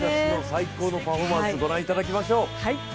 最高のパフォーマンスご覧いただきましょう！